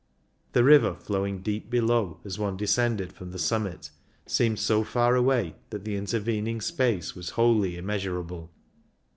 The river flowing deep below as one descended from the summit seemed so far away that the intervening space was wholly immeasurable.